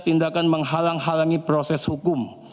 tindakan menghalang halangi proses hukum